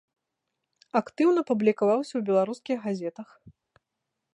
Актыўна публікаваўся ў беларускіх газетах.